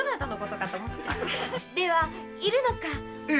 では居るのか？